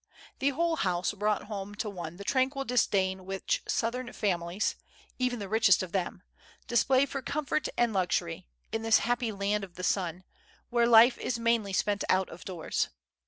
The whole house brought home to one the tranquil disdain which southern families — even the richest of them — display for comfort and luxury, in this happy land of the sun, where life is mainly spent out of doors.